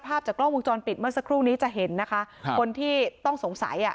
ภาพจากกล้องวงจรปิดเมื่อสักครู่นี้จะเห็นนะคะครับคนที่ต้องสงสัยอ่ะ